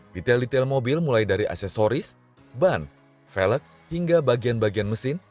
detail detail mobil mulai dari aksesoris ban velg hingga bagian bagian mesin